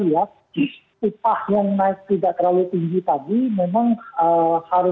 upah yang naik tidak terlalu